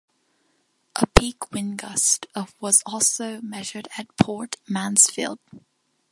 A peak wind gust of was also measured at Port Mansfield.